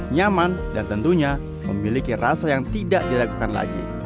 nyaman dan tentunya memiliki rasa yang tidak dilakukan lagi